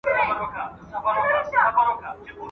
كه مالدار دي كه دهقان دي كه خانان دي.